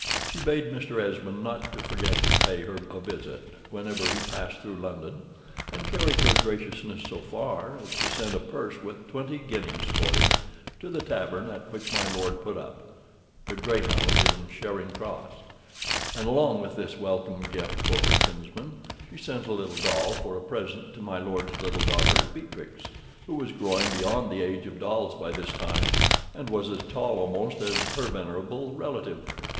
She bade Mr. Esmond not to forget to pay her a visit whenever he passed through London, and carried her graciousness so far as to send a purse with twenty guineas for him, to the tavern at which my lord put up (the "Greyhound," in Charing Cross); and, along with this welcome gift for her kinsman, she sent a little doll for a present to my lord's little daughter Beatrix, who was growing beyond the age of dolls by this time, and was as tall almost as her venerable relative.